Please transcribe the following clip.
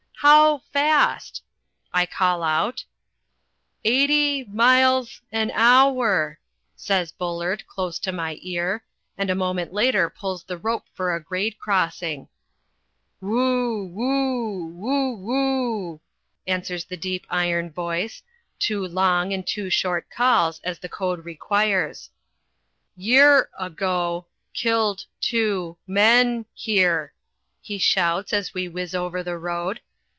"How fast?" I call out. "Eighty miles an hour," says Bullard, close to my ear, and a moment later pulls the rope for a grade crossing. "Ooooo ooooo oo oo," answers the deep iron voice, two long and two short calls, as the code requires. "Year ago killed two men here," he shouts as we whiz over the road.